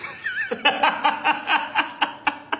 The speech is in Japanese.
ハハハハハ！